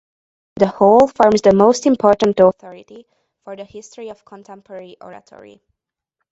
The whole forms the most important authority for the history of contemporary oratory.